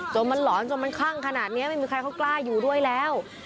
จนมันหลอนจนมันคลั่งขนาดนี้ไม่มีใครเขากล้าอยู่ด้วยแล้ว